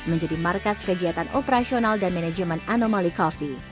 menjadi markas kegiatan operasional dan manajemen anomali coffee